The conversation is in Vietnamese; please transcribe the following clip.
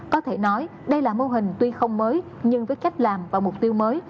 có thể nói đây là mô hình tuy không mới nhưng với cách làm và mục tiêu mới